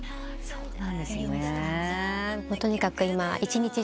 そうなんですね。